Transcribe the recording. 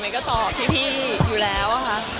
ก็ตอบพี่อยู่แล้วค่ะ